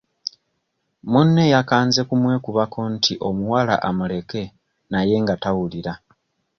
Munne yakanze kumwekubako nti omuwala amuleke naye nga tawulira.